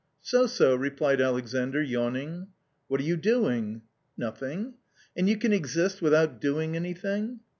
" So, so/' replied Alexandr, yawning. " What are you doing ?"" Nothing." " And you can exist without doing anything